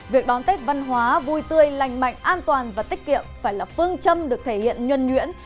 việc đón tết văn hóa vui tươi lành mạnh an toàn và tiết kiệm phải là phương châm được thể hiện nhuân nhuyễn